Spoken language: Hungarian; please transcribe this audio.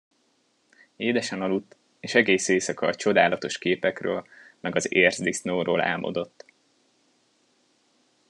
Édesen aludt, és egész éjszaka a csodálatos képekről meg az ércdisznóról álmodott.